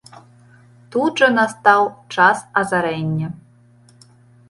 Тут жа настаў час азарэння.